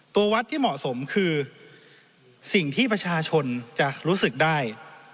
วัดที่เหมาะสมคือสิ่งที่ประชาชนจะรู้สึกได้